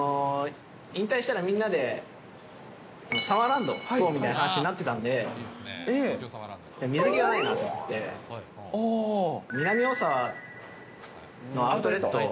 引退したらみんなでサマーランド行こうみたいな話になってたんで、水着がないなと思って、南大沢のアウトレット。